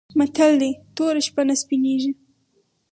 متل: توره شمه نه سپينېږي.